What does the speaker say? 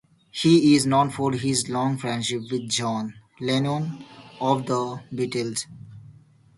He is known for his long friendship with John Lennon of The Beatles.